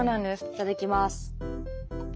いただきます。